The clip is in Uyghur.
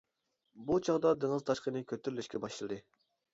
بۇ چاغدا دېڭىز تاشقىنى كۆتۈرۈلۈشكە باشلىدى.